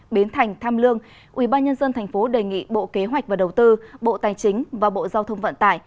biến thành tham lương ủy ban nhân dân tp hcm đề nghị bộ kế hoạch và đầu tư bộ tài chính và bộ giao thông vận tải